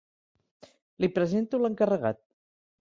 Li presento lencarregat.